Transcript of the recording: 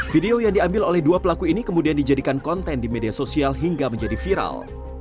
video yang diambil oleh dua pelaku ini kemudian dijadikan konten di media sosial hingga menjadi viral